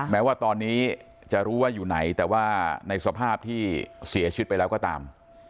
แม้ว่าตอนนี้จะรู้ว่าอยู่ไหนแต่ว่าในสภาพที่เสียชีวิตไปแล้วก็ตาม